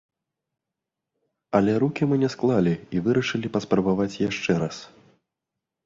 Але рукі мы не склалі і вырашылі паспрабаваць яшчэ раз.